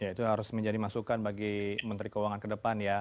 ya itu harus menjadi masukan bagi menteri keuangan ke depan ya